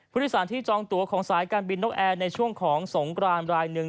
ผู้โดยสารที่จองตัวของสายการบินนกแอร์ในช่วงของสงกรานรายหนึ่ง